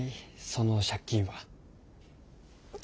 その借金は。